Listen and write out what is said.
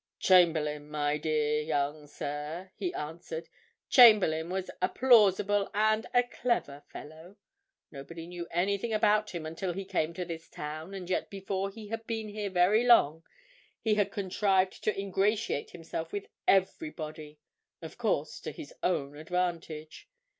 "Chamberlayne, my dear young sir," he answered. "Chamberlayne was a plausible and a clever fellow. Nobody knew anything about him until he came to this town, and yet before he had been here very long he had contrived to ingratiate himself with everybody—of course, to his own advantage.